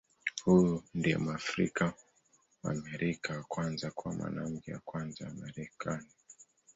Huyu ndiye Mwafrika-Mwamerika wa kwanza kuwa Mwanamke wa Kwanza wa Marekani.